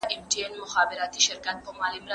لښکر که ډېر وي، بې مشره هېر وي.